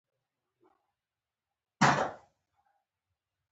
مجاهد د غمونو پر مهال کلک درېږي.